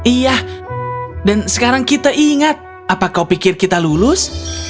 iya dan sekarang kita ingat apa kau pikir kita lulus